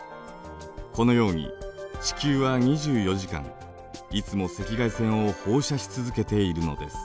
このように地球は２４時間いつも赤外線を放射し続けているのです。